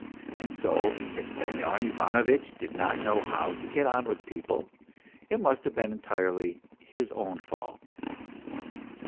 And so, if Semyon Ivanovitch did not know how to get on with people, it must have been entirely his own fault.